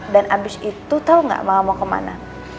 dan abis itu tahu nggak mama mau ke mana